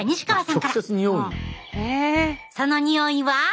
そのにおいは？